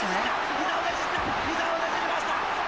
ひざをねじりました！